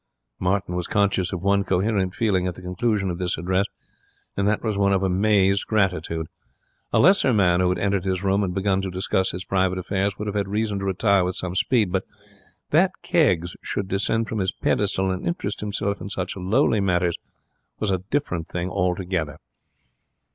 Martin was conscious of one coherent feeling at the conclusion of this address, and that was one of amazed gratitude. A lesser man who had entered his room and begun to discuss his private affairs would have had reason to retire with some speed; but that Keggs should descend from his pedestal and interest himself in such lowly matters was a different thing altogether.